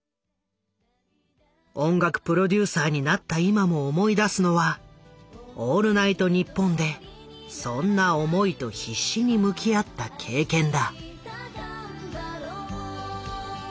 音楽プロデューサーになった今も思い出すのは「オールナイトニッポン」でそんな思いと必死に向き合った経験だ。